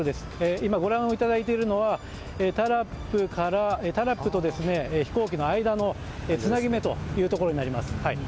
今、ご覧いただいているのはタラップと飛行機の間のつなぎ目というところになります。